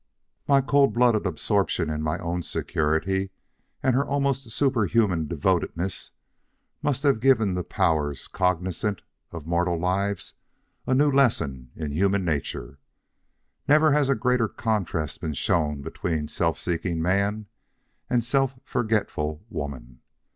"My cold blooded absorption in my own security, and her almost superhuman devotedness, must have given the Powers cognizant of mortal lives a new lesson in human nature. Never has a greater contrast been shown between self seeking man and self forgetful woman.